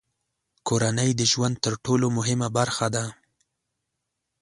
کورنۍ د ژوند تر ټولو مهمه برخه ده.